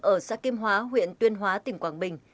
ở xã kim hóa huyện tuyên hóa tỉnh quảng bình